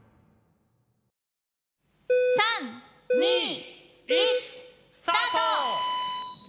３・２・１スタート！